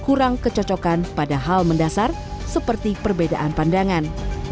kurang kecocokan pada hal mendasar seperti perbedaan pandangan